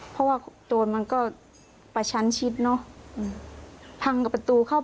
เพราะว่าโต๊ะมันก็ประชันชิดเนอะ